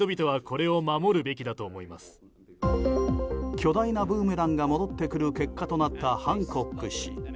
巨大なブーメランが戻ってくる結果となったハンコック氏。